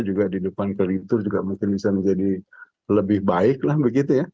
juga di depan kreditur juga mungkin bisa menjadi lebih baik lah begitu ya